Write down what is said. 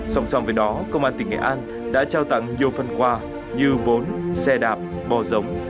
song song với đó công an tỉnh nghệ an đã trao tặng nhiều phần quà như vốn xe đạp bò giống